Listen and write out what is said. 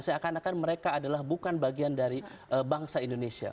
seakan akan mereka adalah bukan bagian dari bangsa indonesia